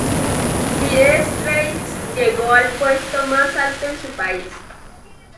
Dire Straits llegó al puesto más alto en su país.